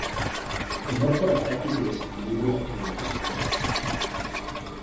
Temor por ataques y desequilibrio en el ecosistema.